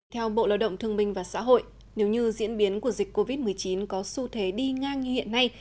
theo bộ lao động thương minh và xã hội nếu như diễn biến của dịch covid một mươi chín có xu thế đi ngang như hiện nay